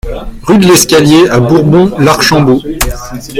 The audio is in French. Rue de l'Escalier à Bourbon-l'Archambault